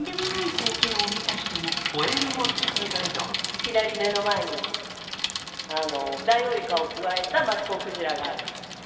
いきなり目の前にダイオウイカをくわえたマッコウクジラが出て。